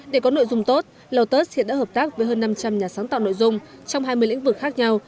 để có nội dung tốt lotus hiện đã hợp tác với hơn năm trăm linh nhà sáng tạo nội dung trong hai mươi lĩnh vực khác nhau